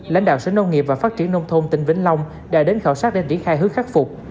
lãnh đạo sở nông nghiệp và phát triển nông thôn tỉnh vĩnh long đã đến khảo sát để triển khai hướng khắc phục